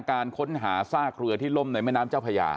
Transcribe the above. การค้นหาซากเรือที่ล่มในแม่น้ำเจ้าพญา